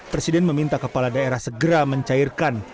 presiden meminta kepala daerah segera mencairkan